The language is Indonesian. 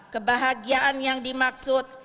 kebahagiaan yang dimaksud